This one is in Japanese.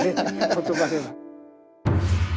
言葉では。